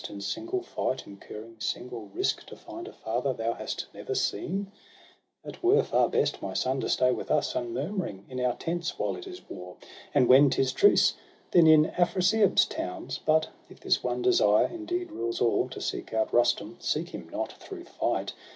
In single fight incurring single risk, To find a father thou hast never seen ? That were far best, my son^ to stay with us Unmurmuring; in our tents, while it is war. And when 'tis truce, then in Afrasiab's towns. But, if this one desire indeed rules all. To seek out Rustum — seek him not through fight!